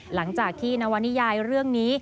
หลังจากที่นวนิยายเรื่องนี้